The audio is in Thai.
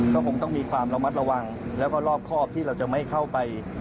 ก็คงต้องมีความระมัดระวังแล้วก็รอบครอบที่เราจะไม่เข้าไป